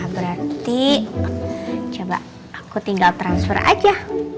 berarti coba aku tinggal transfer aja